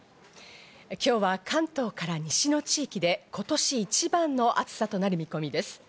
今日は関東から西の地域で今年一番の暑さとなる見込みです。